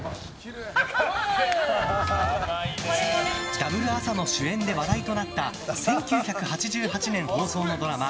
ダブル浅野主演で話題となった１９８８年放送のドラマ